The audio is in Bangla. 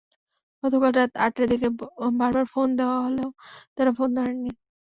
গতকাল রাত আটটার দিকে বারবার ফোন দেওয়া হলেও তাঁরা ফোন ধরেননি।